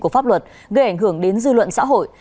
của pháp luật gây ảnh hưởng đến dư luận xã hội